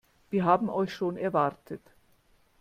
Wir haben euch schon erwartet.